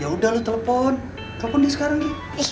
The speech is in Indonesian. ya udah lo telepon telepon deh sekarang gi